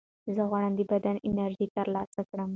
زه غواړم د بدن انرژي ترلاسه کړم.